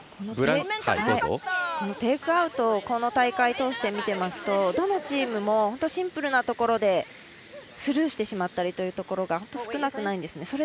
テイクアウトをこの大会通して見ていますとどのチームも本当シンプルなところでスルーしてしまったりということが少なくないんですね。